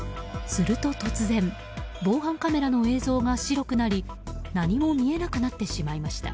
すると突然防犯カメラの映像が白くなり何も見えなくなってしまいました。